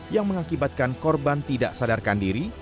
yang mengakibatkan korban tidak sadarkan diri